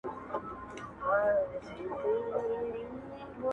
هره ادا دې دسپرلى دګل ثانى راغله